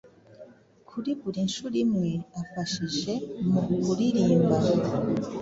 kuri buri nshuro imwe afashije mu kuririmba